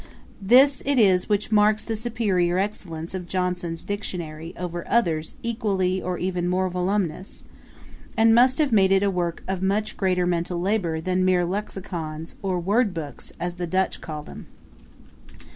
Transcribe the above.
This it is which marks the superiour excellence of Johnson's Dictionary over others equally or even more voluminous, and must have made it a work of much greater mental labour than mere Lexicons, or Word books, as the Dutch call them.